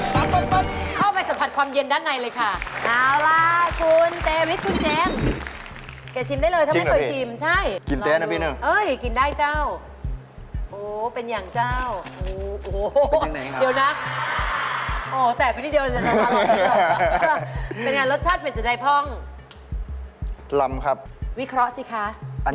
มูลค่า๔๐๐๐บาทไอศกรีมทั้ง๓ของคุณค่า๔๐๐๐บาทไอศกรีมทั้ง๓ของคุณค่า๔๐๐๐บาทไอศกรีมทั้ง๓ของคุณค่า๔๐๐๐บาทไอศกรีมทั้ง๓ของคุณค่า๔๐๐๐บาทไอศกรีมทั้ง๓ของคุณค่า๔๐๐๐บาทไอศกรีมทั้ง๓ของคุณค่า๔๐๐๐บาทไอศกรีมทั้ง๓ของคุณค่า๔๐๐๐บาทไอศกรีมทั้ง๓